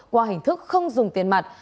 qua hình thức không dùng tiền mặt